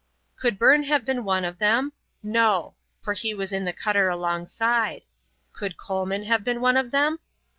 'Could Byrne have been one of them? No, for he was in the cutter alongside. Could Coleman have been one of them?